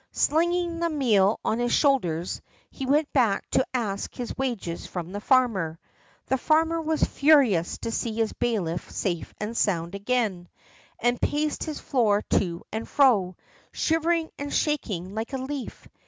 Slinging the meal on his shoulders, he went back to ask his wages from the farmer. The farmer was furious to see his bailiff safe and sound again, and paced his floor to and fro, shivering and shaking like a leaf.